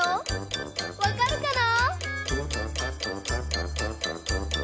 わかるかな？